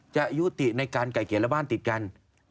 จะยุติในการไก่เกียรติระบั้นติดกัน